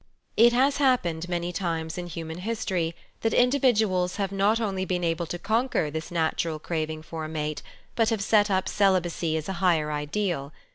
It has happened many times in human history that individuals have not only been able to conquer this natural craving for a mate, but have set up celibacy as a higher ideal.